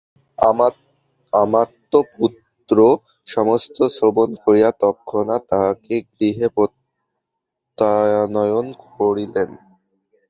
আমাত্যপুত্র সমস্ত শ্রবণ করিয়া তৎক্ষণাৎ তাঁহাকে গৃহে প্রত্যানয়ন করিলেন।